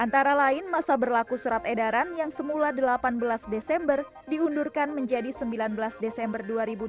antara lain masa berlaku surat edaran yang semula delapan belas desember diundurkan menjadi sembilan belas desember dua ribu dua puluh